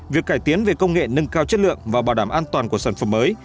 việc cải tiến về công nghệ nâng cao chất lượng và bảo đảm an toàn của sản phẩm mới